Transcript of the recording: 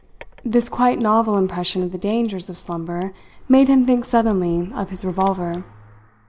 This quite novel impression of the dangers of slumber made him think suddenly of his revolver.